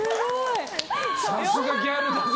さすがギャルだぜ。